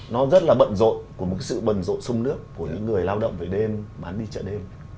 nó rất là bận rộn của một cái sự bận rộn sông nước của những người lao động về đêm bán đi chợ đêm